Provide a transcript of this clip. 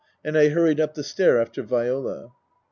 And I hurried up the stair after Viola.